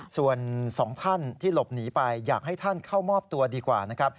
ส่วนสองท่านที่หลบหนีไปอยากให้ท่านเข้ามอบตัวดีกว่านะครับ